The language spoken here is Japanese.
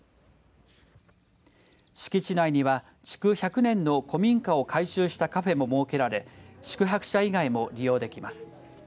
敷地内には築１００年の古民家を改修したカフェも設けられ宿泊者以外も利用できます。